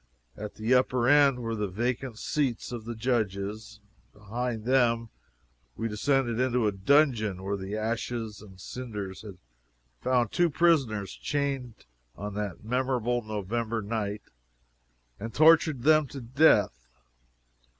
At the upper end were the vacant seats of the Judges, and behind them we descended into a dungeon where the ashes and cinders had found two prisoners chained on that memorable November night, and tortured them to death.